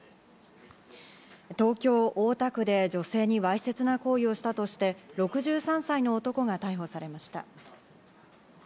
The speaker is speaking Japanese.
東京・大田区で、女性にわいせつな行為をしたとして６３歳の男が逮捕されました。